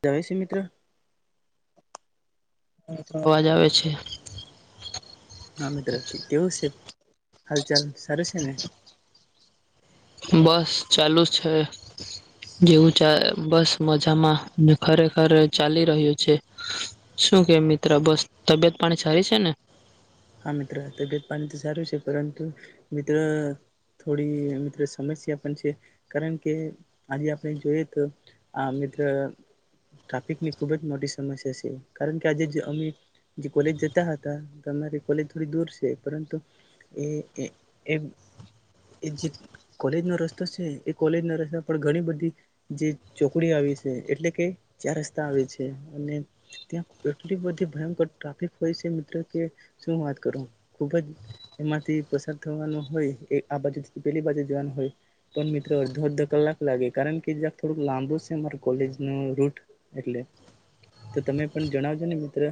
જય છે મિત્ર. અવાજ આવે છે. હા મિત્ર કેવું છે. હાલચાલ સરસને. બસ ચાલુ છે જેવું ચા બસ મજામાં ખરેખર ચાલી રહ્યું છે શું કે મિત્ર બસ તબિયત પાણી સારી છે ને. હા મિત્ર તબિયત પાણી તો સારું છે પરંતુ મિત્ર થોડી મિત્ર સમસ્યા પણ છે કારણ કે આજે આપણે જોઈએ તો આ મિત્ર ટ્રાફિકની ખુબ જ મોટી સમસ્યા છે કારણ કે આજે અમે જે કોલેજ જતા હતા કોલેજ થોડી દૂર છે પરંતુ એ જે કોલેજનો રસ્તો છે એ કોલેજ ના રસ્તા પર ઘણી બધી જે ચોકડી આવી છે એટલે કે ચાર રસ્તા આવે છે અને ત્યાં એટલી બધી ભયંકર ટ્રાફિક હોય છે મિત્ર કે. શું વાત કરું ખુબ જ એમાંથી પસાર થવાનું હોય એ આ બાજુથી પેલી બાજુ જવાનું હોય પણ મિત્ર અડધો અડધો કલાક લાગે કારણ કેક થોડુંક લાંબુ છે મા કોલેજ ન રૂટ એટલે તો તમે પણ જણાવજો ને મિત્ર.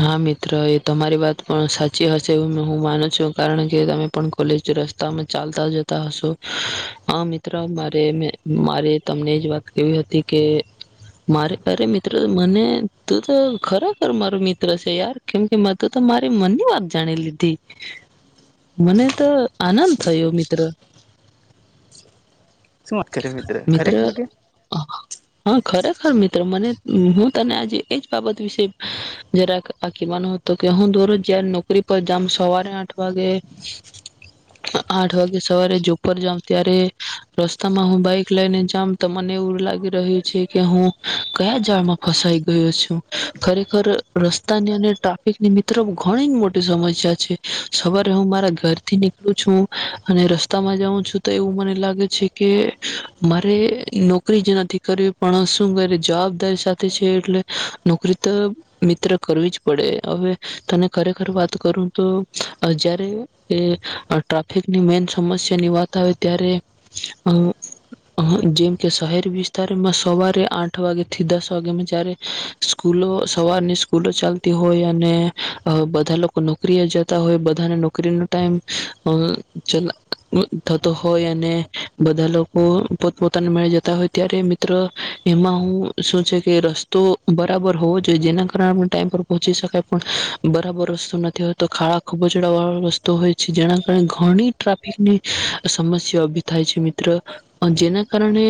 હા મિત્ર એ તમારી વાત પણ સાચી હશે એ હું માનું છું કારણ કે તમે પણ કોલેજ રસ્તામાં ચાલતા જતા હશો હા મિત્ર મારે મે મારે તમને એજ વાત કેવી હતી કે મારે અરે મિત્ર મને તું તો ખરાખર મારો મિત્ર. છે યાર કેમ કે મેં તો મારે મનની વાત જાણી લીધી મને તો. આનંદ થયો મિત્ર. સુ વાત કરે મિત્ર ખરેખર કે હા ખરેખર મિત્ર મને હું તને આજે એજ બાબત વિશે. જ કહેવાનો હતો કે હું દોરજ જયારે નોકરી પર જમ સવારે આઠ વાગે આઠ વાગે સવારે જોબ જાઉ ત્યારે રસ્તામાં હું બાઈક લઈને જમ તો મને એવું લાગી રહ્યું છે કે હું કયા જાઝાડમાં ફસાઈ ગયો છું ખરેખર. રસ્તાની અને ટ્રાફિકની મિત્ર ઘણી જ મોટી સમસ્યા છે સવારે હું મારા ઘરથી નીકળું છું અને રસ્તામાં જાઉં છું તો એવું મને લાગે છે કે મારે નોકરી જે નથી કરવી પણ શું કરે જવાબદારી સાથે છે એટલે નોકરી તો. મમિત્ર કરવી જ પડે હવે તને ખરેખર વાત કરું તો જયારે એ ટ્રાફિકની મેન સમસ્યા ની વાત આવે ત્યારે જેમ કે શહેર વિસ્તારમાં સવારે આઠ વાગેથી દસ વાગ્યામાં જારે સ્કૂલો. સવારની સ્કૂલો ચાલતી હોય અને બધા લોકો નોકરીએ જતા હોય બધાને નોકરીનો ટાઈમ અ થતો હોય અને બધા લોકો પોતપોતાને મેળ જતા હોય ત્યારે મિત્ર એમાં હું શું છે કે રસ્તો બરાબર હોવો. જો જે કાર ટાઈમ પર પહોંચી શકાય પણ બરાબર રસ્તો નથી હો તો ખાડા ખુબચડા વાળ રસ્તો હોય છે જેના કારણે ઘણી ટ્રાફિકની સમસ્યા ઉભી થાય છે મિત્ર જેના કારણે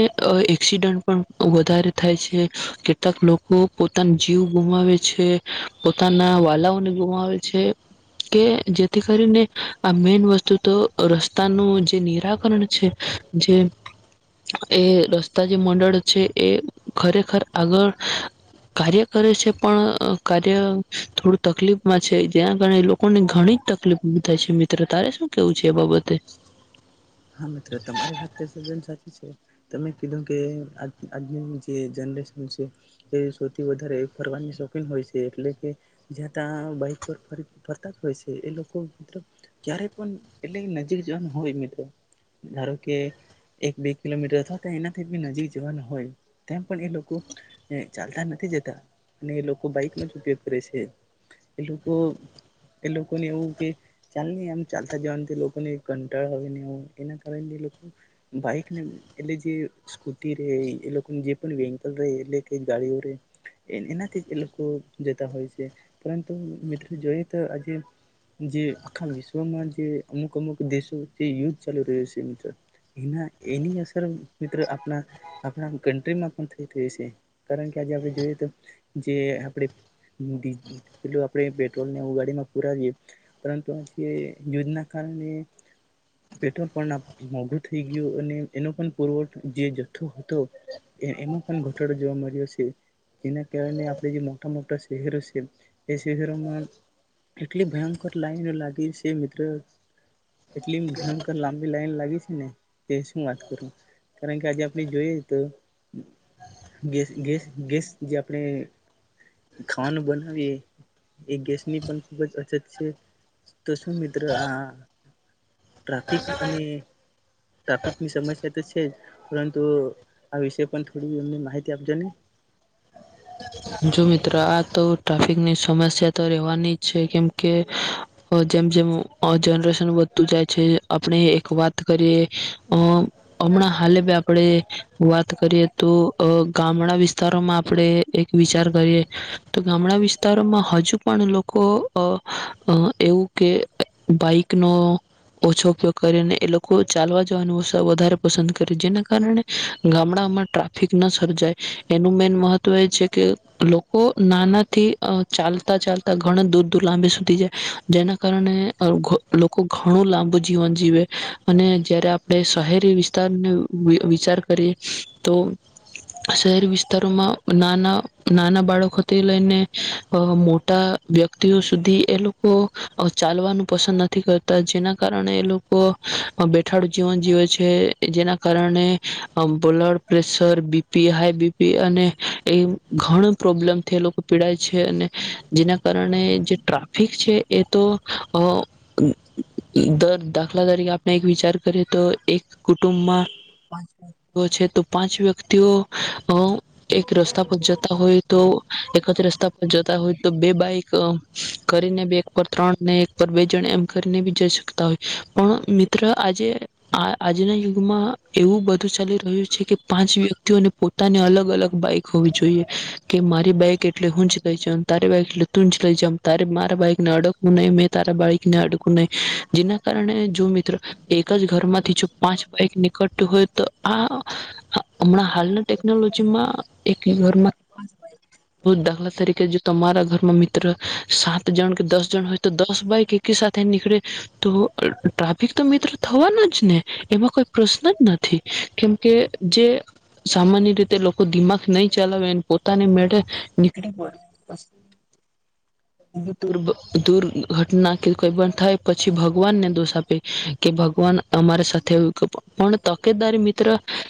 એક્સિડન્ટ પણ વધારે થાય છે કેટલાક લોકો પોતાની. જીવ ગુમાવે છે પોતાના વાલાઓને ગુમાવે છે કે જેથી કરીને આ મેન વસ્તુ તો રસ્તાનું જે નિરાકરણ છે જે એ રસ્તા જે મંડળ છે એ ખરેખર આગળ કાર્ય. કરે છે પણ કાર્ય થોડું તકલીફમાં છે જેના કારણે એ લોકોને ઘણી જ તકલીફ ઉભી થાય છે મિત્ર તારે શું કેવું છે એ બાબતે. હા મિત્ર તમારી વાત તદ્દન સાચી છે. તમે કીધું કે આજની જે જનરેશન છે એ સૌથી વધારે ફરવાની શોખીન હોય છે એટલે કે જ્યા ત્યા બાઈક પર ફરતા જ હોય છે એ લોકો મ ક્યારે પણ એટલે નજીક જવાનું હોય મિત્ર ધારો કે એક બે કિલોમીટર અથવા તો એનાથી બી નજીક જવાનું હોય તેમ પણ એ લોકો ચાલતા નથી જતા અને એ લોકો બાઈક નો જ ઉપયોગ કરે છે એ લોકો એ લોકોને એવું કે ચાલ આમ ચાલતા જવાનું લોકોને કંટાળા હોને એવ. એના કારણે એ લોકો બાઈકને એટલે જે સ્કૂટી રે એ લોકો જે પણ વેહકલ રહે એટલે કઈ ગાડીઓ રહે એનાથી એ લોકો જતા હોય છે પરંતુ મિત્રો જોઈએ તો આજે જે આખા વિશ્વમાં જે અમુક અમુક દેશો જે યુદ્ધ. ચાલ રહયુ છે એના એની અસર મિત્ર આપણા આપણા કન્ટ્રીમાં પણ થઈ રહી છે કારણ કે આજે આપણે જોઈએ તો જે આપણે પ આપણે પેટ્રોલ ગાડીમાં પુરાવીએ પરંતુ આજ યુદ્ધ ના કારણે. મોઘું થઈ ગું અને એનો પણ પુરવ જે જથ્થો હતો એમાં પણ ઘટાડો જોવા મળ્યો છે જેના કારણે આપણે જે મોટા મોટા શહેરો છે એ શહેરોમાં એટલી ભયંકર લાઈનો લાગી છે મિત્ર એટલી ભયંકર લાંબી લાઈન લાગી છે ને તે શું વાત કરું કારણ કે આજે આપણે જોઈએ તો ગે ગેસ જે આપણે. ખાવાનું બનાવીએ એ ગેસની પણ ખુબ જ અછત છે તો શું મિત્ર આ ટ્રાફિક અને. ટ્રાફિકની સમસ્યા તો છે જ પરંતુ આ વિષય પણ થોડી એમને માહિતી આપજો ને. જો મિત્ર આ તો ટ્રાફિકની સમસ્યા તો રહેવાની જ છે કેમકે. જેમ જેમ જનરેશન વધતું જાય છે. આપણે એક વાત કરીએ. હમણાં હાલે ભ આપડે વાત કરીએ તોઅ ગામડા વિસ્તારોમાં. આપડે એક. વિચાર કરીએ તો ગામડા અ વિસ્તારોમાં હજુ પણ લોકો એવું કે બાઈકનો ઓછો ઉપયોગ કરીને એ લોકો ચાલવા જવાનું વધારે પસંદ કરે જેના કારણે ગામડામાં ટ્રાફિક ન સર્જાય એનું મેન મહત્વ એ છે. કે લોકો નાનાથી ચાલતા ચાલતા ઘણા દૂર દૂર લાંબી સુધી જાય જેના કારણે લોકો ઘણું લાંબુ જીવન જીવે અને જારે આપણે શહેરી વિસ્તારને વિચાર કરીએ તો શહેરી વિસ્તારોમાં નાના. નાના બાળકોથી લઈને મોટા વ્યક્તિઓ સુધી એ લોકો ચાલવાનું પસંદ નથી કરતા જેના કારણે એ લોકો બેઠાડું જીવન જીવે છે જેના કારણે blood pressure BP high BP અને એ. ઘણો પ્રોબ્લેમ થાઈ લો એ લોકો પીડાય છે અને જેના કારણે જે ટ્રાફિક છે એ તો અ દર દાખલા તરીકે આપણે એક વિચાર કરીએ તો એક કુટુંબમાં પાંચ વ્યક્તિઓ છે તો પાંચ વ્યક્તિઓ અ એક રસ્તા પર જતા હોય તો એક જ રસ્તા પર જતા હોય તો બે બાઈક કરીને એક પર ત્રણ ને એક પર બે જણ એમ કરીને બી જઈ શકતા હોય પણ મિત્ર આજે આ આજના યુગમાં એવું બધું ચાલી રહ્યું છે કે પાંચ વ્યક્તિઓને પોતાને અલગ અલગ. હોવી જોઈએ કે મારી બેગ એટલે હું જ. લઇ જવા તારી બાઈક તું જ લઈ જ ત મારા બાઈકને અડકવું નહી મેં તારા બાઈકને અડકવું નહી જેના કારણે જો મિત્રો એક જ ઘર માંથી જો પાંચ બાઈક નીકળત હોય તો આ હમણાં હાલના ટેકનોલોજી માં. એક ઘરમાં બ દાખલા તરીકે જો તમારા ઘર માં મિત્ર. મિત્ર સાત જણ કે દસ જન હોય. તો દસ બાઈક એકી સાથે નીકળે તો ટ્રાફિક તો મિત્ર થવાનો જ ને એમાં કોઈ પ્રશ્ન જ નથી કેમકે જે સામાન્ય રીતે લોકો નહી ચલાવે એને પોતાને મેળે. નીકળી પરે [unintelligible] દુર્ઘટના કે કોઈ પણ થાય પછી ભગવાનને દોષ આપે કે ભગવાન અમારી સાથે આવું પણ તકેદારી મિત્ર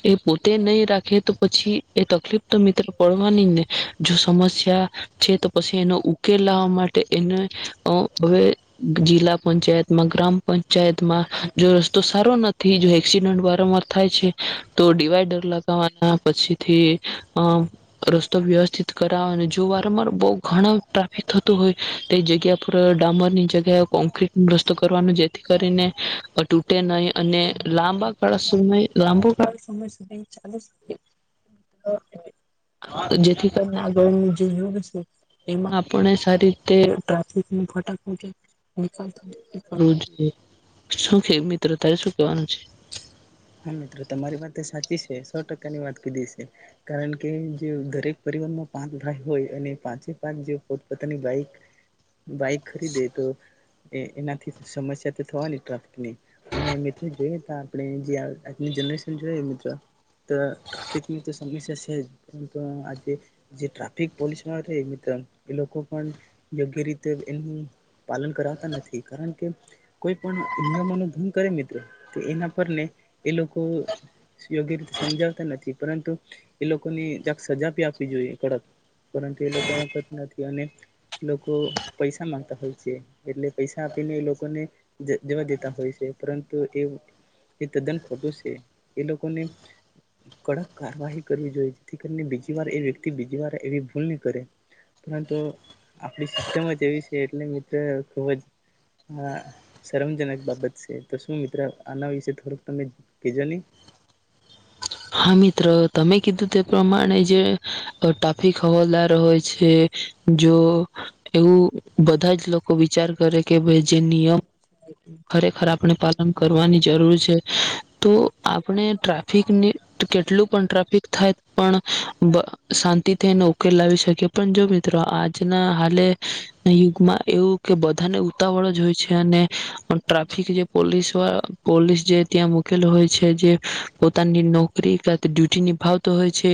એ પોતે નહી રાખે તો. પછી એ તકલીફ. તો મિત્ર પડવાની ને જો સમસ્યા છે તો પછી એનો ઉકેલ લાવવા માટે એને હવે જિલ્લા પંચાયતમાં ગ્રામ પંચાયતમાં જો રસ્તો સારો નથી જો એક્સિડન્ટ વારંવાર થાય છે તો ડિવાઇડર લગાવવાના. પછીથી. અ રસ્તો વ્યવસ્થિત કરાવવાનો જો વારંવાર બઉ ઘણ ટ્રાફિક થતું હોય તે જગ્યા પર ડામરની જગ્યા કોક્રટ ન રસ્તો કરવાનો જેથી કરીને તૂટે નહી અને લાંબા. કળ શુંમે લાંબુ સમય સુધી ચાલુ. હ. જેથી કરીને આગળ નું જે યુગ છે એમાં આપણે સારી તે ટ્રાફિક ન ફટક. કર જો. શુ કે મિત્ર તારે શુ કેવાનું છે. હા તમારી વાત સાચી છે સો ટકાની વાત કીધી છે કારણ કે જે દરેક પરિવારમાં પાંચ ભાઈ હોય અને પાંચે પાંચ જે પોતપતાનીઈક બાઈક ખરીદે તો એનાથી સમસ્યા તો થવાની ટ્રાફિકની અને મિત્રો જોઈએ ત આપણે જે. આજે જરેશન જોય મિત્ર તો ટ્રાફિકની તો સમસ્યા છે જ પરંતુ આજે જે ટ્રાફિક પોલીસ વાળા છે મિત્ર એ લોકો પણ યોગ્ય રીતે એનું પાલન કરાવતા નથી કારણ કે કોઈ પણ નિયમો ન ભંગ કરે મિત્ર તો એના પરને. એ લોકો યોગ્ય રીતે સમજાવતા નથી પરંતુ એ લોકોને સજા આપવી જોઈએ કડક પરંતુ એ લોકો કરતા નથી અને એ લોકો પૈસા માંગતા હોય છે એટલે પૈસા આપીને એ લોકોને જવા દેતા હોય છે પરંતુ એ તદ્દન. ખોટું છે એ લોકોને કડક કારવાહી કરવી જોઈએ જેથી કરીને બીજી વાર એ વ્યક્તિ બીજી વાર એવી ભૂલ નહીં કરે પરંતુ આપણી સિસ્ટમ જ એવી છે એટલે મિત્ર ખૂબ જ શરમજનક બાબત છે તો શું મિત્ર આના વિશે થોડુંક. તમે [unintelligible] હા મિત્ર તમે કીધું તે પ્રમાણે જે ટ્રાફિક હવાદાર હોય છે જો એવું બધા જ લોકો. વિચાર કરે કે ભજે નિયમ. ખરેખર આપણે પાલન કરવાની જરૂર છે, તો આપણે ટ્રાફિકને કેટલું પણ ટ્રાફિક થાય પણ, શાંતિ થઈ ન ઉકેલ લાવી શકે પણ જો મિત્રો આજના હાલે યુગમાં એવું કે બધાને ઉતાવળ જ હોય છે, અને ટ્રાફિક જે પોલીસ પોલીસ જે ત્યાં મુૂકેલ હોય છે, જે પોતાની ડ્યુટી નિભાવતો હોય છે,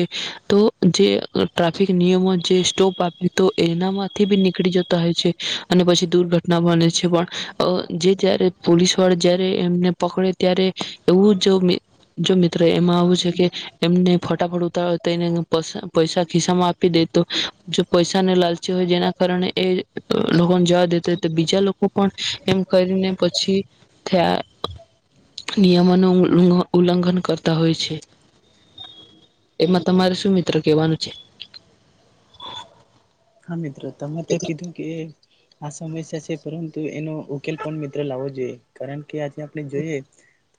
તો જે ટ્રાફિક નિયમો જે સ્ટોપ આપે તો એનામાંથી બી નીકળી જતા હોય છે, અને પછી દુર્ઘટના બને છે પણ જે જ્યારે પોલીસ વાળા જયારે એમને પકડે ત્યારે એવું મિત્ર એમાં આવ એમને ફટાફ ઉતને પૈસા ખિસ્સામાં આપી દેતો, જો પૈસાને લાલચી હોય જેના કારણે એ લોકોને જવા દેતા તો બીજા લોકો પણ એમ કરીને પછી થ નિયમોનું ઉલ્લઘન કરતા હોય છે. એમાં તમારે શું મિત્રો કેહેવાનું છે? હા મિત્રો તમે તો કીધું કે સમસ્યા છે પરંતુ એનો ઉકેલ પણ મિત્રો લાવો જોઈએ, કારણ કે કે આજે આપણે જોઈએ. તો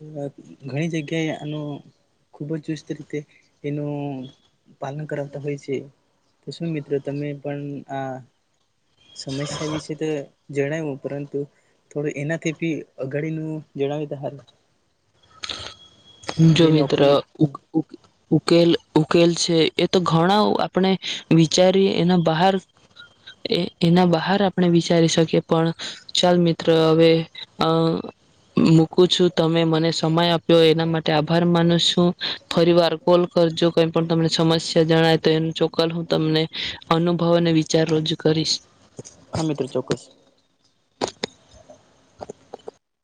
ઘણી જગ્યાએ આનો ખૂબ જ ચુસ્ત રીતે એનું પાલન કરાવતા હોય છે, તો શું મિત્રો તમે પણ આ સમસ્યા વિશે તો જણાવ્યું પરંતુ થોડું એનાથી બી અઘાડીનું જણાવ્યું તો સારું. [inaudible] જો મિત્ર ઉ ઉકેલ ઉકેલ છે એ તો ઘણા આપણે વિચારી એના બહાર એના બહાર આપણે વિચારી શકીએ પણ ચાલ મિત્ર હવે અ મૂકું છું તમે મને સમય આપ્યો એના માટે આભાર માનું છું, ફરી વાર કોલ કરજો કઈ પણ તમને સમસ્યા જણાય તો એનું ચોક્કલ હું તમને, અનુભવ અને વિચાર રોજ કરીશ. હા મિત્ર ચોક્કસ. [inaudible]